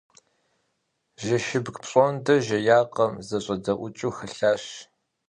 Жэщыбг пщӏондэ жеякъым - зэщӏэдэӏукӏыу хэлъащ.